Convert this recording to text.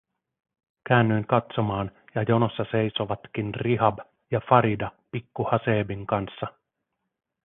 Käännyin katsomaan, ja jonossa seisoivatkin Rihab ja Farida pikku Haseebin kanssa.